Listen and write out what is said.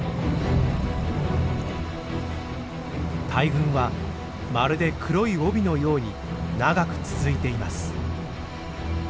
大群はまるで黒い帯のように長く続いています。